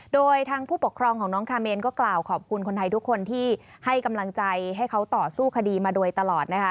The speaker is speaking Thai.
โดยทางผู้ปกครองของน้องคาเมนก็กล่าวขอบคุณคนไทยทุกคนที่ให้กำลังใจให้เขาต่อสู้คดีมาโดยตลอดนะคะ